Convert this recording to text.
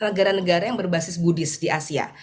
negara negara yang berbasis buddhis di asia